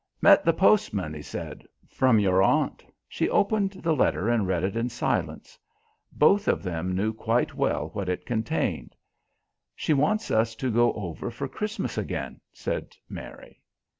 "Met the postman," he said. "From your aunt." She opened the letter and read it in silence. Both of them knew quite well what it contained. "She wants us to go over for Christmas again," said Mary.